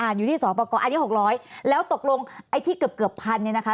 อยู่ที่สอปกรอันนี้๖๐๐แล้วตกลงไอ้ที่เกือบเกือบพันเนี่ยนะคะ